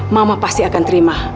mama pasti akan terima